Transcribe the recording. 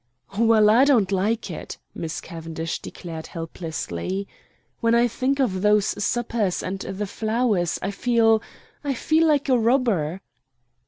"Well, I don't like it," Miss Cavendish declared helplessly. "When I think of those suppers and the flowers, I feel I feel like a robber."